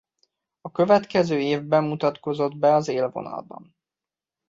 A következő évben mutatkozott be az élvonalban.